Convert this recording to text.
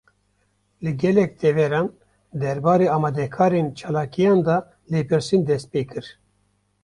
Li gelek deveran, derbarê amadekarên çalakiyan de lêpirsîn dest pê kir